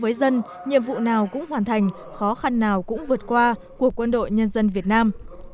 với dân nhiệm vụ nào cũng hoàn thành khó khăn nào cũng vượt qua của quân đội nhân dân việt nam